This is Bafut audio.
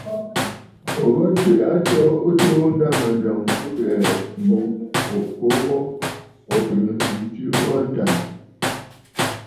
Ò bə tswe a atoo ɨ tuu a ndâmanjɔŋ kɨ ghɛ̀ɛ̀ boŋ ò kwo ghu ò tɨgə̀ ntswe ghu a ntàà.